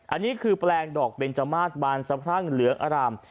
อันนี้คือแปลงดอกเบนจมาสบานสะพรั่งเหลืองอร่าม